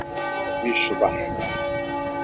Yecḍeḥ.